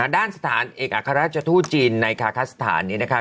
ด้านสถานเอกอัครราชทูตจีนในคาคสถานนี้นะคะ